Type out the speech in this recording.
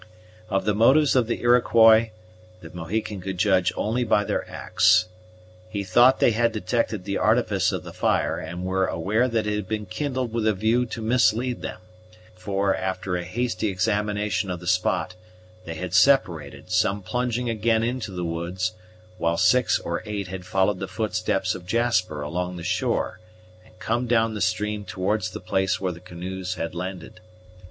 Of the motives of the Iroquois the Mohican could judge only by their acts. He thought they had detected the artifice of the fire, and were aware that it had been kindled with a view to mislead them; for, after a hasty examination of the spot, they had separated, some plunging again into the woods, while six or eight had followed the footsteps of Jasper along the shore, and come down the stream towards the place where the canoes had landed.